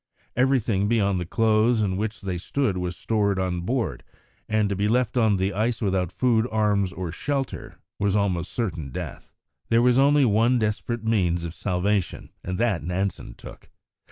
Everything beyond the clothes in which they stood was stored on board, and to be left on the ice without food, arms, or shelter, was almost certain death. There was only one desperate means of salvation, and that Nansen took.